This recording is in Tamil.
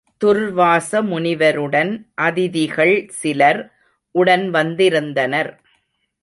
துர்வாச முனிவருடன் அதிதிகள் சிலர் உடன் வந்திருந்தனர்.